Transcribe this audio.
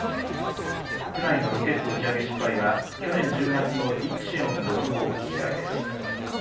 国内のロケット打ち上げ失敗は去年１０月のイプシロン６号機以来です。